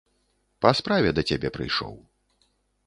Па справе да цябе прыйшоў.